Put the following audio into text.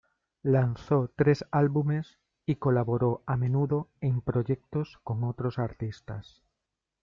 Lanzó tres álbumes, y colaboró a menudo en proyectos con otros artistas.